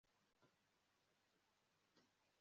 ni byiza kwitondera imvugo ukoresha wandika amabaruwa yo mu